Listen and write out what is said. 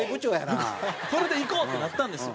水田：これでいこうってなったんですよ。